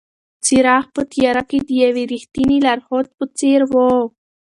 څراغ په تیاره کې د یوې رښتینې لارښود په څېر و.